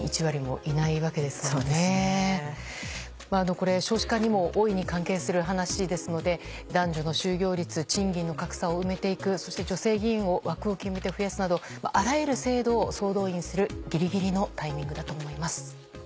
これ少子化にも大いに関係する話ですので男女の就業率賃金の格差を埋めていくそして女性議員を枠を決めて増やすなどあらゆる制度を総動員するギリギリのタイミングだと思います。